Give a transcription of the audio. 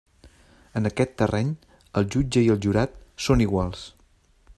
En aquest terreny, el jutge i el jurat són iguals.